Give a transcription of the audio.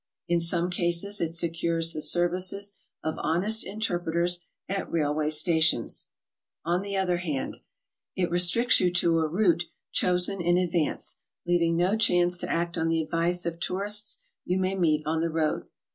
In some cases it secures the services of honest interpreters at railway stations. On the other hand: It restricts you to a route chosen in advance, leaving no chance to act on the advice of tourists you may meet on the road.